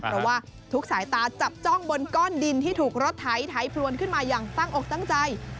เพราะว่าทุกสายตาจับจ้องบนก้อนดินที่ถูกรถไถพรวนขึ้นมาอย่างตั้งอกตั้งใจ